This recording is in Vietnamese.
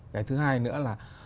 cái thứ hai nữa là